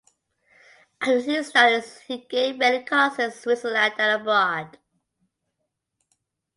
After his studies he gave many concerts in Switzerland and abroad.